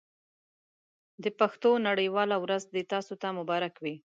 د پښتو نړۍ واله ورځ دې تاسو ته مبارک وي.